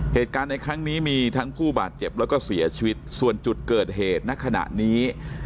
เหตุการณ์ในครั้งนี้มีทั้งผู้บาดเจ็บแล้วก็เสียชีวิตส่วนจุดเกิดเหตุณขณะนี้